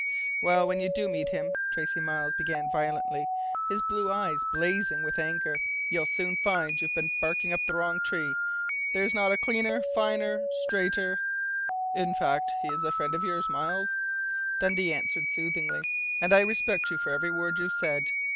"Well, when you do meet him," Tracey Miles began violently, his blue eyes blazing with anger, "you'll soon find you've been barking up the wrong tree! There's not a cleaner, finer, straighter " "In fact, he is a friend of yours, Miles," Dundee answered soothingly, "and I respect you for every word you've said....